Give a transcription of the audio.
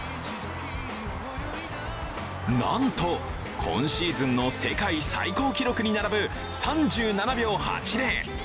なんど、今シーズンの世界最高記録に並ぶ３７秒８０。